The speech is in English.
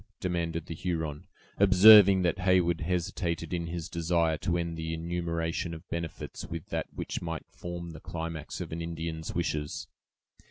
demanded the Huron, observing that Heyward hesitated in his desire to end the enumeration of benefits with that which might form the climax of an Indian's wishes.